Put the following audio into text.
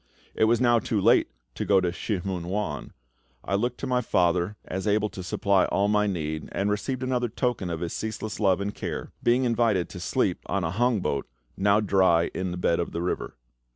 It was now too late to go on to Shih mun wan. I looked to my FATHER as able to supply all my need, and received another token of His ceaseless love and care, being invited to sleep on a hong boat, now dry in the bed of the river.